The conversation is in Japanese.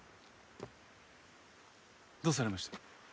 どうされました？